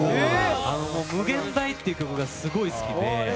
「無限大」という曲がすごく好きで。